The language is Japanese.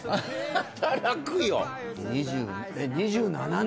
働くよ！